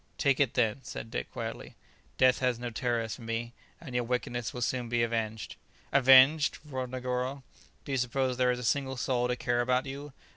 "Take it, then," said Dick quietly; "death has no terrors for me, and your wickedness will soon be avenged." "Avenged!" roared Negoro; "do you suppose there is a single soul to care about you?